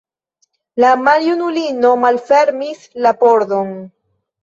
La maljunulino malfermis la pordon.